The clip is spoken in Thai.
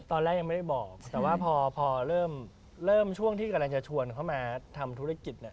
ตอนแรกยังไม่ได้บอกแต่ว่าพอเริ่มช่วงที่กำลังจะชวนเขามาทำธุรกิจเนี่ย